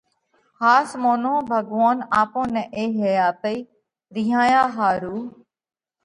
ۿاس مونو ڀڳوونَ آپون نئہ اي حياتئِي رِينهايا ۿارُو،